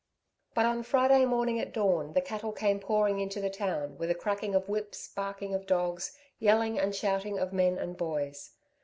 But on Friday morning at dawn, the cattle came pouring into the town, with a cracking of whips, barking of dogs, yelling and shouting of men and boys.